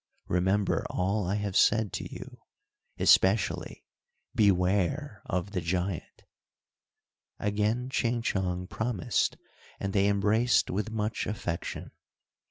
Remember all I have said to you. Especially beware of the giant." Again Ching Chong promised, and they embraced with much affection.